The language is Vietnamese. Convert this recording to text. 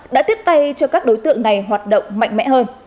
đã tiếp tay cho các đối tượng này hoạt động mạnh mẽ hơn